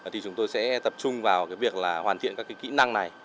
thì chúng tôi sẽ tập trung vào việc hoàn thiện các kỹ năng này